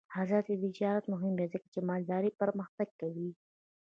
آزاد تجارت مهم دی ځکه چې مالداري پرمختګ کوي.